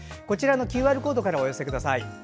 こちらのＱＲコードからお寄せください。